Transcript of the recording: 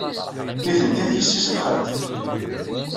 Nitenti d yessi-s n xalti.